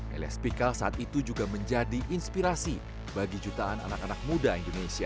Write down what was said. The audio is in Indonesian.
elias pikal saat itu juga menjadi inspirasi bagi jutaan anak anak muda indonesia